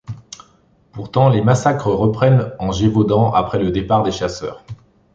Pourtant, les massacres reprennent en Gévaudan après le départ des chasseurs.